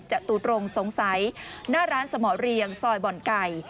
จตุตรงสงสัยหน้าร้านสมเรียงซอยบ่อนไก่